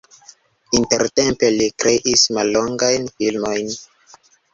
Intertempe li kreis mallongajn filmojn.